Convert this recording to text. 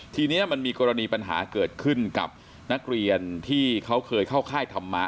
ทีนี้มันมีกรณีปัญหาเกิดขึ้นกับนักเรียนที่เขาเคยเข้าค่ายธรรมะ